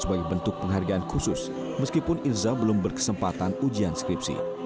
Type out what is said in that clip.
sebagai bentuk penghargaan khusus meskipun irza belum berkesempatan ujian skripsi